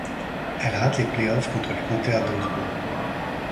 Elle rate les play-offs contre les Panther d'Augsbourg.